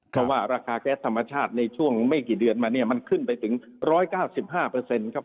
เพราะว่าราคาแก๊สธรรมชาติในช่วงไม่กี่เดือนมาเนี่ยมันขึ้นไปถึง๑๙๕ครับ